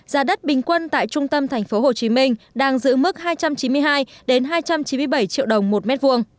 giá đất bình quân tại trung tâm thành phố hồ chí minh đang giữ mức hai trăm chín mươi hai hai trăm chín mươi bảy triệu đồng một m hai